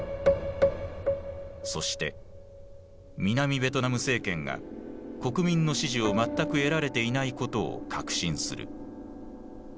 そして南ベトナム政権が国民の支持を全く得られていないことを確信する。